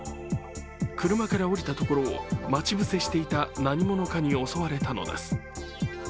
車から降りたところを待ち伏せしていた何者かに襲われたのです。